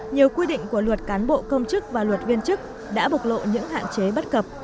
nhiều quy định của luật cán bộ công chức và luật viên chức đã bộc lộ những hạn chế bất cập